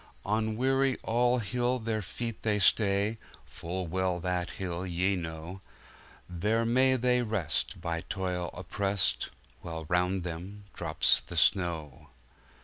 On Weary All Hill their feet they stay (Full well that Hill ye know);There may they rest, by toil oppressed, While round them drops the snow.